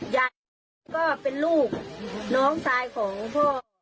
ญาติกันก็เป็นลูกน้องสายของพ่อ